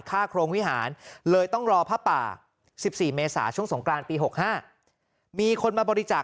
ค่าโครงวิหารเลยต้องรอผ้าป่า๑๔เมษาช่วงสงกรานปี๖๕มีคนมาบริจาค